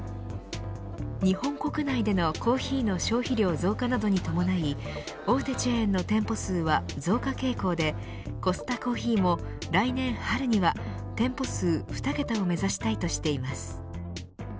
日本国内でのコーヒーの消費量増加などに伴い大手チェーンの店舗数は増加傾向でコスタコーヒーも来年春には店舗数２桁を目指したいとしています。